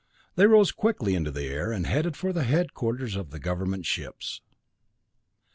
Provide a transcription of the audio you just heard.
They rose quickly into the air, and headed for the headquarters of the government ships.